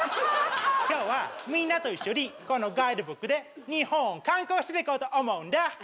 今日はみんなと一緒にこのガイドブックで日本を観光していこうと思うんだ